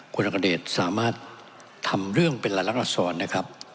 กวนกระเด็ดสามารถทำเรื่องเป็นหลายลักษณ์อักษรนะครับ